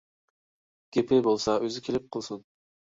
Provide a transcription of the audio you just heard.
گېپى بولسا ئۆزى كېلىپ قىلسۇن!